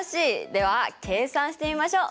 では計算してみましょう！